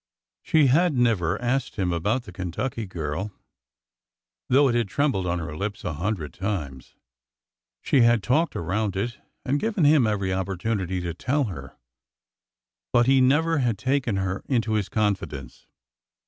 She had never asked him about the Kentucky girl, though it had trembled on her lips a hundred times. She had talked around it and given him every opportunity to tell her, but he never had taken her into his confidence.